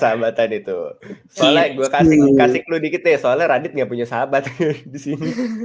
sahabatan itu oleh gua kasih kasih ke dikit ya soalnya radit nggak punya sahabat disini